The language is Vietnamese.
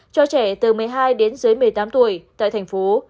cho trẻ từ một mươi hai đến dưới một mươi tám tuổi tại thành phố